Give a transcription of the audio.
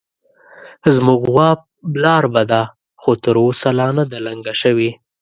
زموږ غوا برالبه ده، خو تر اوسه لا نه ده لنګه شوې